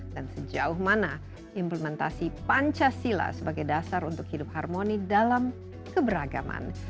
dan sejauh mana implementasi pancasila sebagai dasar untuk hidup harmoni dalam keberagaman